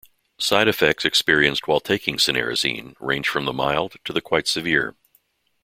Side effects experienced while taking cinnarizine range from the mild to the quite severe.